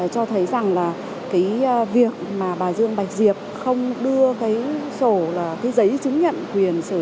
cho thấy rằng là cái việc mà bà dương bạch diệp không đưa cái sổ là cái giấy chứng nhận quyền sử dụng